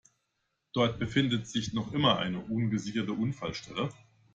Dort befindet sich noch immer eine ungesicherte Unfallstelle.